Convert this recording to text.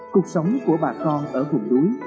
cuộc sống của bà con ở vùng núi